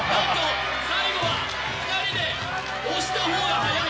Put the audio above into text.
最後は２人で、押した方が速い！